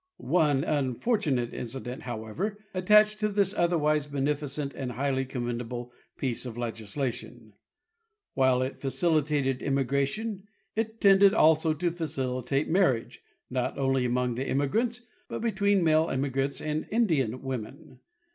One unfortunate incident, however, attached to this otherwise beneficent and highly commendable piece of legislation. While it facilitated immigration it tended also to facilitate marriage, not only among the immigrants, but between male immigrants and Indian women.